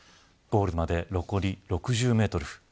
ゴールまで残り６０メートル。